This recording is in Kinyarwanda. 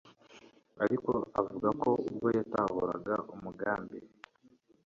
Ariko avuga ko ubwo yatahuraga umugambi